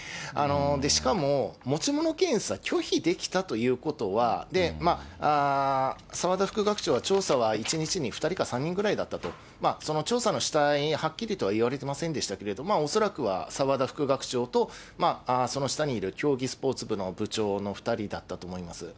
しかも、持ち物検査拒否できたということは、澤田副学長は、調査は一日に２人か３人ぐらいだったと、その調査のはっきりとは言われてませんでしたけれども、恐らくは澤田副学長と、その下にいる競技スポーツ部の部長の２人だったと思います。